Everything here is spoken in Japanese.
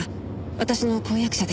私の婚約者です。